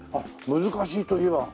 難しいといえば。